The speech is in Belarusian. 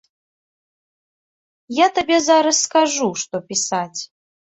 Я табе зараз скажу, што пісаць.